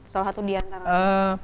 soal hatu diantara